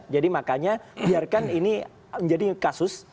jadi makanya biarkan ini menjadi kasus